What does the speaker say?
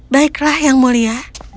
baiklah yang mulia